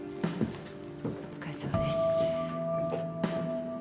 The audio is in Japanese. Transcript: お疲れさまです。